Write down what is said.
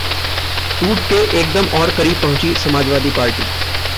टूट के एक कदम और करीब पहुंची समाजवादी पार्टी